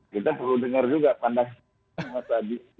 kita perlu dengar juga pandangan mas adi